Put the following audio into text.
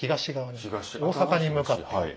大坂に向かってる。